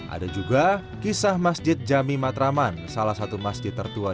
ada juga kisah masjid jami matraman salah satu masjid tertua di